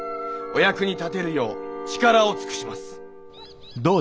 お役に立てるよう力を尽くします！